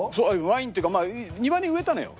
ワインっていうか庭に植えたのよ